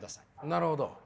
なるほど。